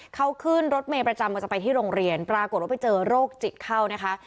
เขาขึ้นรถเมย์ประจำก็จะไปที่โรงเรียนปรากฏว่าไปเจอโรคจิตเข้านะคะ